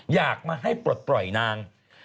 อยากมาให้ปลดปล่อยนาง